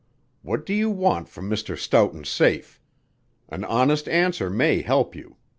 What do you want from Mr. Stoughton's safe? An honest answer may help you.